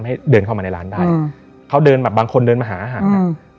ให้เดินเข้ามาในร้านได้อืมเขาเดินแบบบางคนเดินมาหาอาหารแบบ